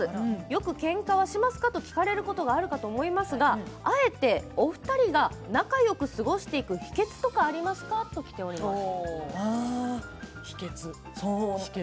よくけんかはしますか？と聞かれることはあるかと思いますがあえて、お二人が仲よく過ごしていく秘けつとか秘けつ。